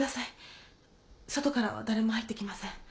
外からは誰も入ってきません。